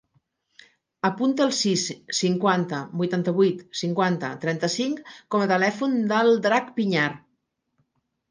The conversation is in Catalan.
Apunta el sis, cinquanta, vuitanta-vuit, cinquanta, trenta-cinc com a telèfon del Drac Piñar.